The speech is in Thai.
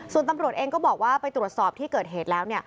ส่วนตำรวจเองก็บอกว่าไปตรวจสอบที่เกิดเหตุแล้ว